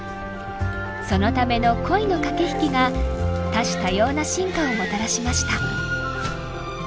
そのための恋の駆け引きが多種多様な進化をもたらしました。